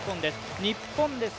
日本です。